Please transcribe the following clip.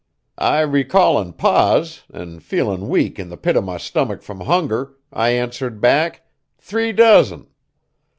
I, recallin' Pa's, an' feelin' weak in the pit of my stomach frum hunger, I answered back, 'Three dozen!'